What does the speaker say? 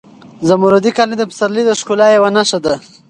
زمردي کالي د پسرلي د ښکلا یوه نښه ده.